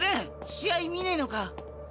試合見ねえのか？